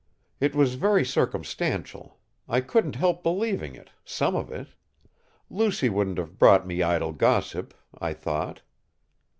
It was very circumstantial; I couldn't help believing it, some of it; Lucy wouldn't have brought me idle gossip I thought."